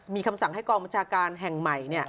มีคำสั่งให้กองบัญชาการแห่งใหม่